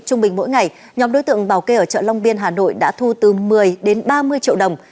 trung bình mỗi ngày nhóm đối tượng bảo kê ở chợ long biên hà nội đã thu từ một mươi đến ba mươi triệu đồng